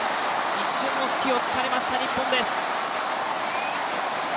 一瞬の隙を突かれました、日本です。